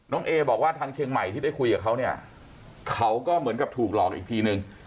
เอบอกว่าทางเชียงใหม่ที่ได้คุยกับเขาเนี่ยเขาก็เหมือนกับถูกหลอกอีกทีนึง